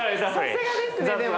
さすがですねでも。